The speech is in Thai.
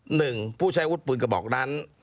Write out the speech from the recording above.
หนึ่งผู้ใช้วุฒิปืนกระบอกนั้น